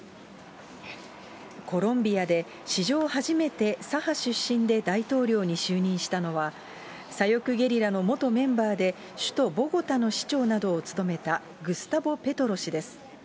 コロンビアで、史上初めて左派出身で大統領に就任したのは、左翼ゲリラの元メンバーで首都ボゴタの市長などを務めた、グスタボ・ペトロ氏です。